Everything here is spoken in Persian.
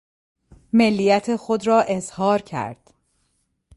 ملیت خود را اظهار کرد.